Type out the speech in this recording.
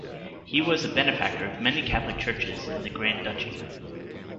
He was a benefactor of many Catholic churches in the Grand Duchy.